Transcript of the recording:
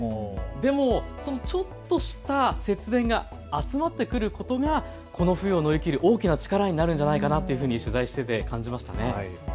でも、そのちょっとした節電が集まってくることが、この冬を乗り切る大きな力になるんじゃないかなというふうに取材していて感じました。